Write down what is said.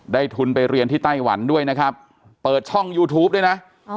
ทุนไปเรียนที่ไต้หวันด้วยนะครับเปิดช่องยูทูปด้วยนะ